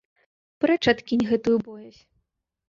Прэч адкінь гэту боязь!